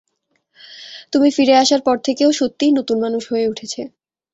তুমি ফিরে আসার পর থেকে ও সত্যিই নতুন মানুষ হয়ে উঠেছে।